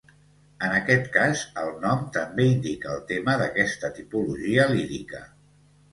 En aquest cas, el nom també indica el tema d'aquesta tipologia lírica.